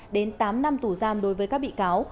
đến tám năm tù giam đối với các bị cáo